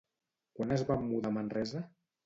Quan es van mudar a Manresa?